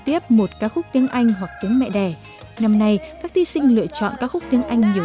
tiếp một ca khúc tiếng anh hoặc tiếng mẹ đẻ năm nay các thí sinh lựa chọn ca khúc tiếng anh nhiều